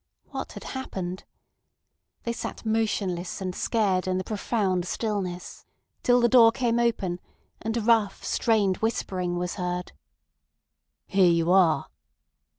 What had happened? They sat motionless and scared in the profound stillness, till the door came open, and a rough, strained whispering was heard: "Here you are!"